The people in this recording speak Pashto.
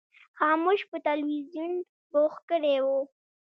خاموش په تلویزیون بوخت کړی و.